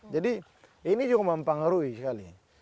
jadi ini juga mempengaruhi sekali